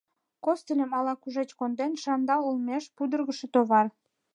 Костыльым ала кушеч конден, шандал олмеш — пудыргышо товар.